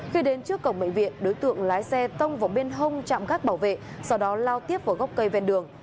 khi đến trước cổng bệnh viện đối tượng lái xe tông vào bên hông trạm gác bảo vệ sau đó lao tiếp vào gốc cây ven đường